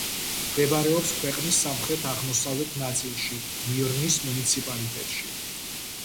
მდებარეობს ქვეყნის სამხრეთ-აღმოსავლეთ ნაწილში მირნის მუნიციპალიტეტში.